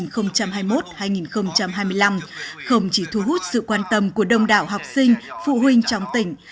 không chỉ thu hút sự quan tâm của đông đạo học sinh phụ huynh trong tỉnh